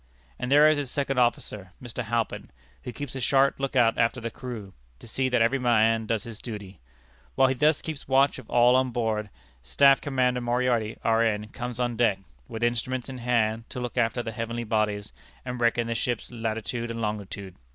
And there is his second officer, Mr. Halpin, who keeps a sharp lookout after the crew, to see that every man does his duty. While he thus keeps watch of all on board, Staff Commander Moriarty, R. N., comes on deck, with instruments in hand, to look after the heavenly bodies, and reckon the ship's latitude and longitude.